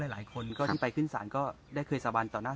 หลายคนก็ที่ไปขึ้นศาลก็ได้เคยสาบานต่อหน้า